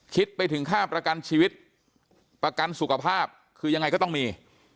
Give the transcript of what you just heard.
คิดไปถึงค่าประกันชีวิตประกันสุขภาพคือยังไงก็ต้องมี